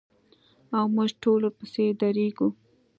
او موږ ټول ورپسې درېږو.